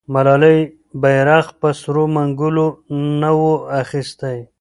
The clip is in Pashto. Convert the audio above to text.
ملالۍ بیرغ په سرو منګولو نه و اخیستی.